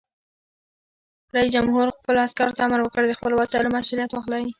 رئیس جمهور خپلو عسکرو ته امر وکړ؛ د خپلو وسایلو مسؤلیت واخلئ!